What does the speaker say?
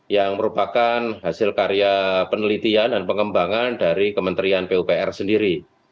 yang merupakan hasil karya penelitian dan pengembangan dari kementerian pupr sendiri